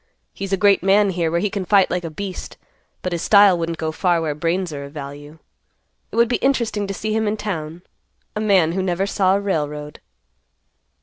He's a great man here, where he can fight like a beast, but his style wouldn't go far where brains are of value. It would be interesting to see him in town; a man who never saw a railroad."